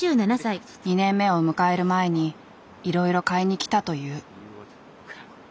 ２年目を迎える前にいろいろ買いにきたという。